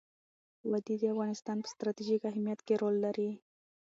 وادي د افغانستان په ستراتیژیک اهمیت کې رول لري.